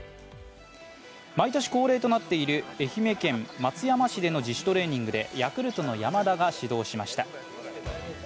毎年恒例となっている愛媛県松山市での自主トレーニングでヤクルトの山田が始動しました。